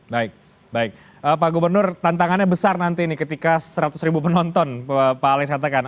baik baik pak gubernur tantangannya besar nanti ini ketika seratus ribu penonton pak alex katakan